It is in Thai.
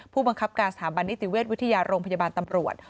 ผู้บังคับการสถาบันนิติเวชวิทยาโรงพยาบาลตำรวจ